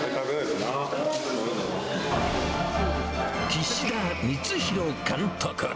岸田光弘監督。